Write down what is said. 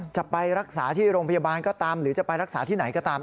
จะไปรักษาที่โรงพยาบาลก็ตามหรือจะไปรักษาที่ไหนก็ตาม